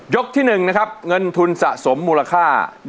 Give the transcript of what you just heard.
ยกที่หนึ่งนะครับเงินทุนสะสมมูลค่า๑หมื่นบาท